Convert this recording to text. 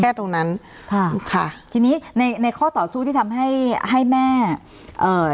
แค่ตรงนั้นค่ะค่ะทีนี้ในในข้อต่อสู้ที่ทำให้ให้แม่เอ่อ